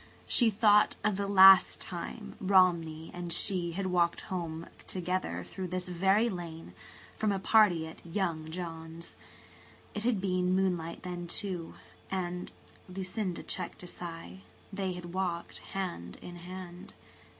She thought of the last time Romney and she had walked home together through this very lane, from a party at "young" John's. It had been moonlight then, too, and–Lucinda checked a sigh–they had walked hand in hand.